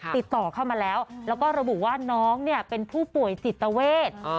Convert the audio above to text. ติดต่อเข้ามาแล้วแล้วก็ระบุว่าน้องเป็นผู้ป่วยจิตเวท